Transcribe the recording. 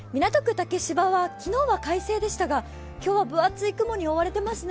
竹芝は昨日は快晴でしたが今日は分厚い雲に覆われていますね。